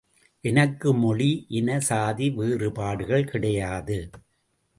எனக்கு மொழி, இன சாதி வேறுபாடுகள் கிடையாது.